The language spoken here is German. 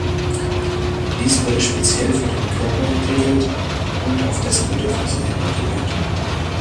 Dies wurde speziell für den Kernel entwickelt und auf dessen Bedürfnisse hin optimiert.